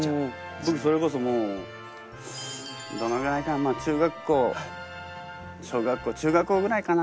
僕それこそもうどのぐらいかな中学校小学校中学校ぐらいかな